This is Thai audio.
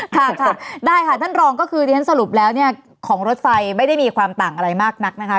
ค่ะได้ค่ะท่านรองก็คือที่ฉันสรุปแล้วเนี่ยของรถไฟไม่ได้มีความต่างอะไรมากนักนะคะ